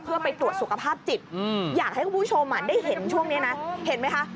เพื่อไปตรวจสุขภาพจิตอยากให้คุณผู้ชมได้เห็นช่วงนี้นะเห็นไหมคะ